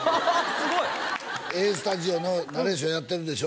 すごい！「ＡＳＴＵＤＩＯ＋」のナレーションやってるでしょ